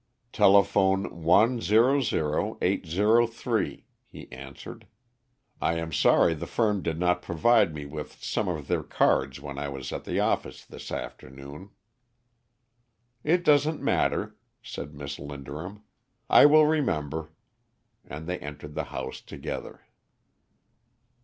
"Telephone 100,803," he answered. "I am sorry the firm did not provide me with some of their cards when I was at the office this afternoon." "It doesn't matter," said Miss Linderham; "I will remember," and they entered the house together.